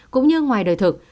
cũng như ngoài đời thực